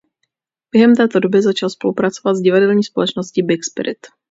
Během této doby začal spolupracovat s divadelní společností Big Spirit.